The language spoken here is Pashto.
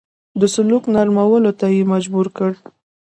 د سلوک نرمولو ته مجبور کړ.